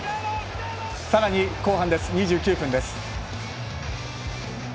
さらに後半２９分です。